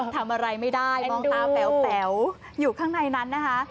ทำอะไรไม่ได้มองตาแป๋วอยู่ข้างในนั้นนะคะ